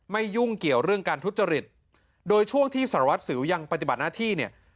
ยุ่งเกี่ยวเรื่องการทุจริตโดยช่วงที่สารวัตรสิวยังปฏิบัติหน้าที่เนี่ย